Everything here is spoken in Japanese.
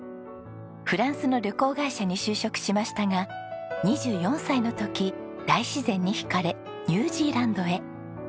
フランスの旅行会社に就職しましたが２４歳の時大自然に惹かれニュージーランドへ。